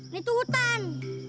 nih tuh hutan